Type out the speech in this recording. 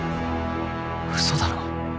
嘘だろ。